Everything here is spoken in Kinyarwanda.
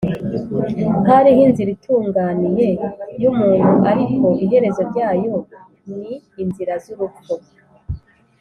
hariho inzira itunganiye y’umuntu, ariko iherezo ryayo ni inzira z’urupfu